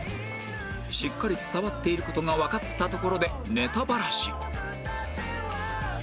しっかり伝わっている事がわかったところでネタバラシ